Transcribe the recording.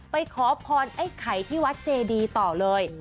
ขอพรไอ้ไข่ที่วัดเจดีต่อเลย